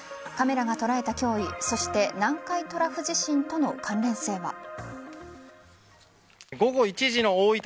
カメラが捉えた脅威そして南海トラフ地震との関連性は。